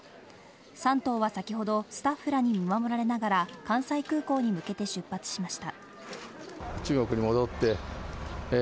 ３頭は先ほどスタッフらに見守られながら、関西空港に向けて出発しました。